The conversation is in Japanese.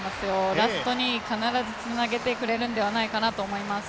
ラストに必ずつなげてくれるのではないかなと思います。